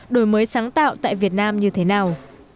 đổi mới sáng tạo tại việt nam như thế nào